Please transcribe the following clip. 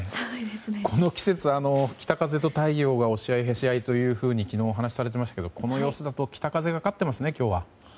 この季節、北風と太陽が押し合いへし合いというふうに昨日、お話しされていましたがこの様子だと今日は北風が勝ってますね？